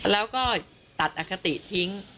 แล้วก็ตัดอคติทิ้ง